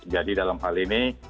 jadi dalam hal ini